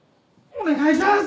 お願いします！